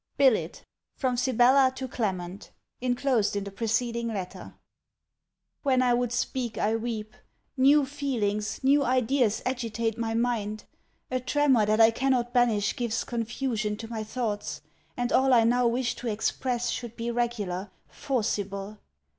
BILLET FROM SIBELLA TO CLEMENT Inclosed in the preceding Letter When I would speak, I weep. New feelings, new ideas agitate my mind. A tremor that I cannot banish gives confusion to my thoughts, and all I now wish to express should be regular, forcible.